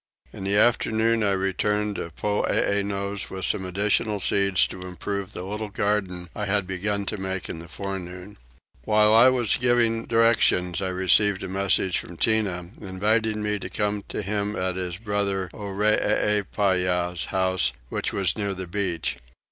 In the afternoon I returned to Poeeno's with some additional seeds to improve the little garden I had begun to make in the forenoon. While I was giving directions I received a message from Tinah inviting me to come to him at his brother Oreepyah's house, which was near the beach.